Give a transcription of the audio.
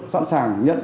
sẵn sàng nhận